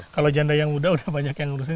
kalau janda yang muda udah banyak yang ngurusin